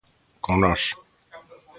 Con nós.